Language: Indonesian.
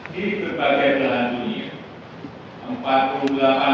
di berbagai jalan dunia